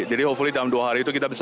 jadi semoga dalam dua hari itu kita bisa